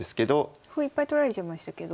歩いっぱい取られちゃいましたけど。